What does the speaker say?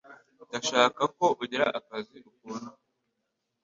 Ndashaka ko ugira akazi ukunda.